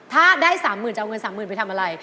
ถ้าได้๓๐๐๐จะเอาเงิน๓๐๐๐ไปทำอะไร